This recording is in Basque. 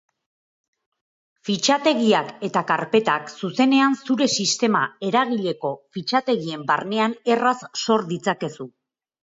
Fitxategiak eta karpetak zuzenean zure sistema eragileko fitxategien barnean erraz sor ditzakezu.